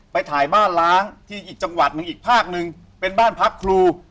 ไปถ่ายบ้านล้างที่อีกจังหวัดหนึ่งอีกภาคนึงเป็นบ้านพักครู